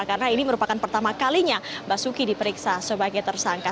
karena ini merupakan pertama kalinya basuki diperiksa sebagai tersangka